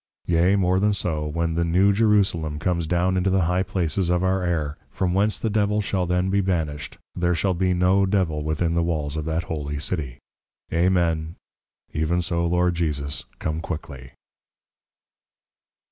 Yea, more than so, when the New Jerusalem comes down into the High Places of our Air, from whence the Devil shall then be banished, there shall be no Devil within the Walls of that Holy City. _Amen, Even so Lord Jesus, Come quickly.